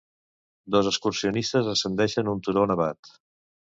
Dos excursionistes ascendeixen un turó nevat